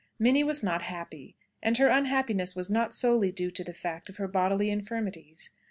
Minnie was not happy; and her unhappiness was not solely due to the fact of her bodily infirmities.